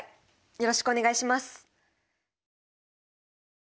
よろしくお願いします。